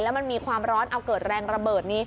แล้วมันมีความร้อนเอาเกิดแรงระเบิด